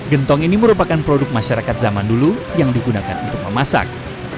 gentong ini merupakan produk masyarakat zaman dulu yang digunakan untuk memasak